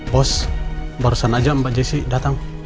bos barusan aja mbak jessi datang